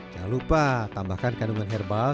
jangan lupa tambahkan kandungan herbal